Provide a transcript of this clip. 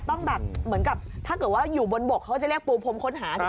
ต้องแบบเหมือนกับถ้าเกิดว่าอยู่บนบกเขาจะเรียกปูพรมค้นหา